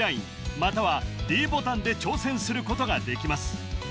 ＬＩＮＥまたはｄボタンで挑戦することができます